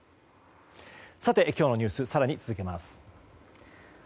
今日のニュース更に続けます。